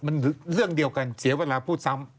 มันเรื่องเดียวกันเสียเวลาพูดซ้ำ